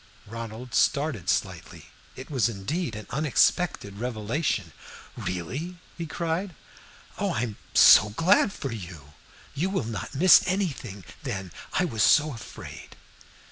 Ronald started slightly. It was indeed an unexpected revelation. "Really?" he cried. "Oh, I am so glad for you. You will not miss anything, then. I was so afraid."